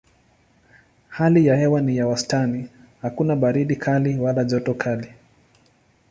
Hali ya hewa ni ya wastani: hakuna baridi kali wala joto kali.